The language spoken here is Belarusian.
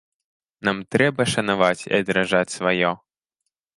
Нам трэба шанаваць і адраджаць сваё.